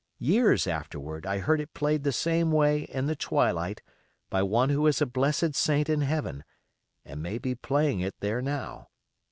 Years afterward I heard it played the same way in the twilight by one who is a blessed saint in heaven, and may be playing it there now.